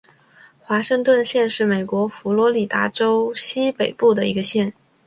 华盛顿县是美国佛罗里达州西北部的一个县。